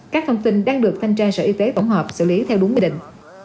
các thông tin đang được thanh tra sở y tế tổng hợp xử lý theo đúng quy định